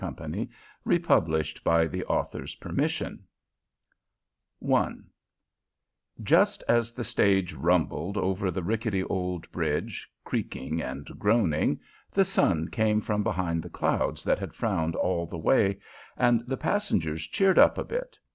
BARGAIN DAY AT TUTT HOUSE By George Randolph Chester (1869 ) I Just as the stage rumbled over the rickety old bridge, creaking and groaning, the sun came from behind the clouds that had frowned all the way, and the passengers cheered up a bit.